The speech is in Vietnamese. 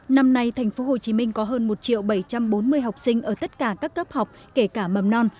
năm nay tp hcm có hơn một bảy trăm bốn mươi học sinh ở tất cả các cấp học kể cả mầm non